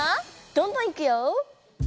どんどんいくよ。